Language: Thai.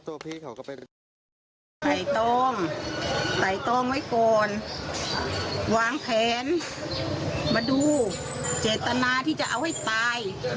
ไต้ต้มไต้ต้มไว้โกนวางแผนมาดูเจตนาที่จะเอาให้ตาย